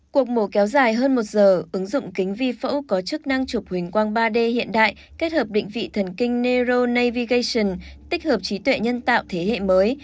cuộc mổ kéo dài hơn một giờ ứng dụng kính vi phẫu có chức năng chụp hình quang ba d hiện đại kết hợp định vị thần kinh nero navigation tích hợp trí tuệ nhân tạo thế hệ mới